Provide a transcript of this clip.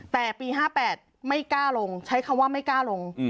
แต่ปี๕๘ไม่กล้าลงใช้คำว่าไม่กล้าลง